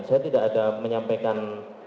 saya tidak ada menyampaikan